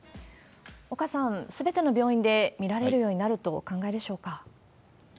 岡さん、すべての病院で診られるようになるとお考えでしょうか？